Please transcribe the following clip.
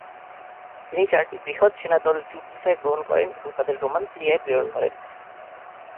তিনি চারটি বৃহৎ সেনাদল জু কিসায় গহণ করেন এবং তাদের রোমান সিরিয়ায় প্রেরণ করেন।